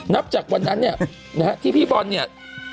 นับจากวันนั้นเนี่ยนะฮะที่พี่บอลเนี่ย